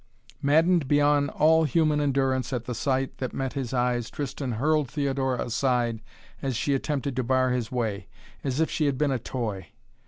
Maddened beyond all human endurance at the sight that met his eyes Tristan hurled Theodora aside as she attempted to bar his way, as if she had been a toy.